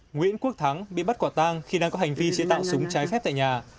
nguyễn quốc thắng bị bắt quả tang khi đang có hành vi chế tạo súng trái phép tại nhà